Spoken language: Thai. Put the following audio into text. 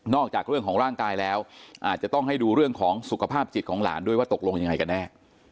จากเรื่องของร่างกายแล้วอาจจะต้องให้ดูเรื่องของสุขภาพจิตของหลานด้วยว่าตกลงยังไงกันแน่